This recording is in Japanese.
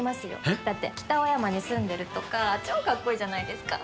えっ？だって北青山に住んでるとか超かっこいいじゃないですか。